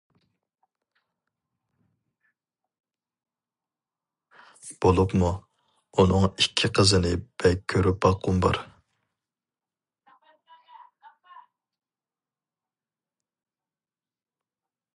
بولۇپمۇ، ئۇنىڭ ئىككى قىزىنى بەك كۆرۈپ باققۇم بار.